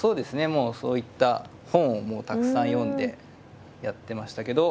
もうそういった本をたくさん読んでやってましたけど。